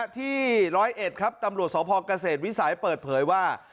ที่๑๐๑ครับตำรวจสพเกษตรวิสัยเปิดเผยว่า